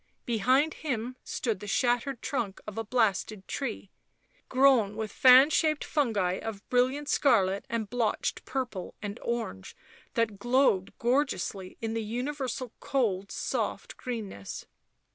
Behind him stood the shattered trunk of a blasted tree, grown with fan shaped fungi of brilliant scarlet and blotched purple and orange that glowed gorgeously in the universal cold soft greenness.